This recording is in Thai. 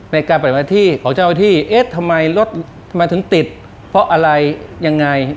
ในการปฏิบัติหน้าที่ของเจ้าที่เอ๊ะทำไมรถมาถึงติดเพราะอะไรยังไง